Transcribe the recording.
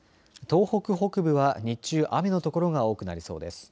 東北北部は日中、雨の所が多くなりそうです。